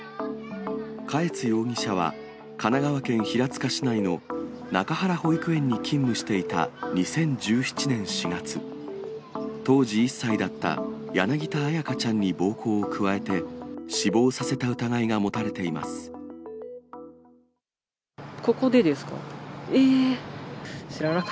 嘉悦容疑者は、神奈川県平塚市内のなかはら保育園に勤務していた２０１７年４月、当時１歳だった柳田彩花ちゃんに暴行を加えて死亡させた疑いが持ここでですか？